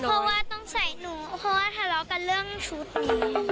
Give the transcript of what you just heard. เพราะว่าต้องใส่หนูเพราะว่าทะเลาะกันเรื่องชุดนี้